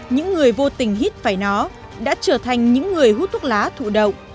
những người vô tình hít phải nó đã trở thành những người hút thuốc lá thụ động